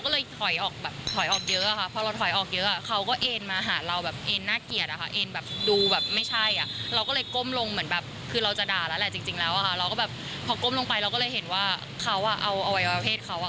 เราก็แบบพอก้มลงไปเราก็เลยเห็นว่าเขาอ่ะเอาไว้ไว้เพศเขาค่ะ